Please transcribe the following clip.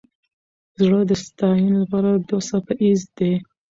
زړه د ستاینې لپاره دوه څپه ایز دی.